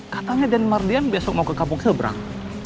katanya den mardian besok mau ke kampung sebrang